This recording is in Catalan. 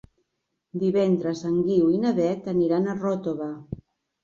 Divendres en Guiu i na Beth aniran a Ròtova.